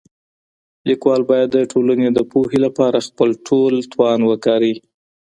ليکوال بايد د ټولني د پوهي لپاره خپل ټول توان وکاروي.